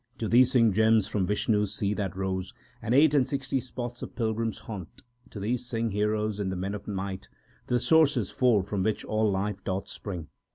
To Thee sing gems from Vishnu s sea that rose, And eight and sixty spots of pilgrims haunt. To Thee sing heroes and the men of might ; The sources four from which all life doth spring.